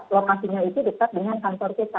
lokasinya itu dekat dengan kantor kita